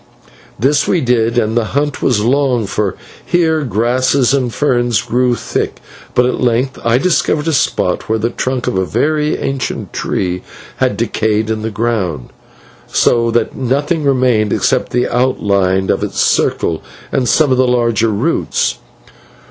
This we did, and the hunt was long, for here grasses and ferns grew thick, but at length I discovered a spot where the trunk of a very ancient tree had decayed in the ground, so that nothing remained except the outline of its circle and some of the larger roots.